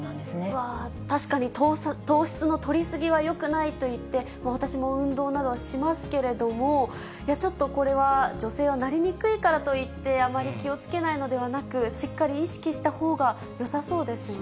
うわー、確かに糖質のとり過ぎはよくないといって、私も運動などはしますけれども、いや、ちょっとこれは、女性はなりにくいからといって、あまり気をつけないのではなく、しっかり意識したほうがよさそうですよね。